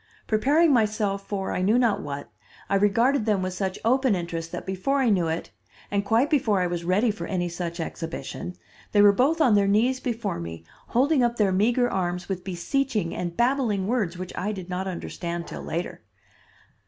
Preparing myself for I knew not what, I regarded them with such open interest that before I knew it, and quite before I was ready for any such exhibition, they were both on their knees before me, holding up their meager arms with beseeching and babbling words which I did not understand till later.